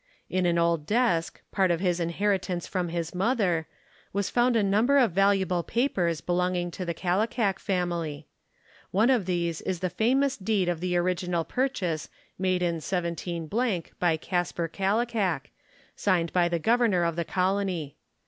In an old desk, part of his inheritance from his mother, was found a number of valuable papers belonging to the Kallikak family. One of these is the famous deed of the original purchase made in 17 by Casper Kallikak, signed by the governor of the colony.